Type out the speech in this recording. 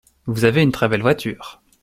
Vous avez une très belle voiture.